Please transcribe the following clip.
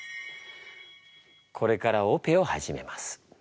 これからオペを始めます。